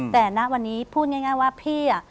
แต่ณวันนี้พูดง่ายว่าพี่